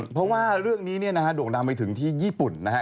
เพราะว่าเรื่องนี้เนี่ยนะฮะดวกนามไปถึงที่ญี่ปุ่นนะฮะ